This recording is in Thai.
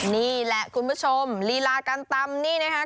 นี่แหละคุณผู้ชมลีลาการตำนี่นะคะ